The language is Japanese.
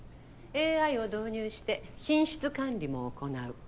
ＡＩを導入して品質管理も行う。